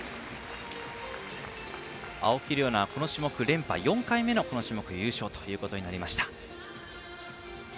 青木玲緒樹は、この種目、連覇４回目のこの種目優勝ということになりました。